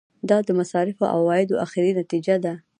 دا د مصارفو او عوایدو اخري نتیجه ده.